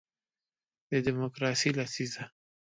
د دیموکراسۍ لسیزه